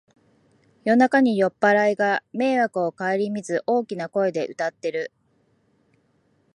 夜中に酔っぱらいが迷惑をかえりみず大きな声で歌ってる